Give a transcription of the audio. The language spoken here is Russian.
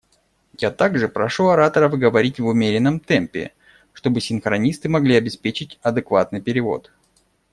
Я также прошу ораторов говорить в умеренном темпе, чтобы синхронисты могли обеспечить адекватный перевод.